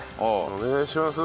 お願いします。